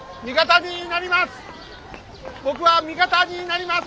味方になります！